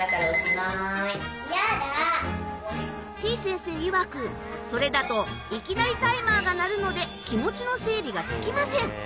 てぃ先生いわくそれだといきなりタイマーが鳴るので気持ちの整理がつきません。